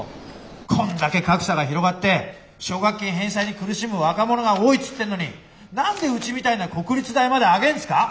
こんだけ格差が広がって奨学金返済に苦しむ若者が多いっつってんのに何でうちみたいな国立大まで上げんですか？